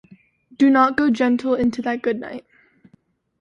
Do not go gentle into that good night.